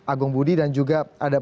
agung budi dan juga ada